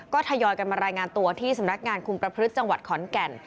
ก็ทยอยกันมารายงานตัวที่สำนักงานคุมประพฤติจังหวัดขอนแก่น